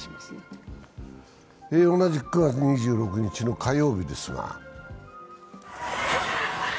同じく９月２６日の火曜日ですが。